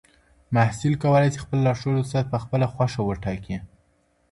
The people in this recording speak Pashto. محصل کولای سي خپل لارښود استاد په خپله خوښه وټاکي.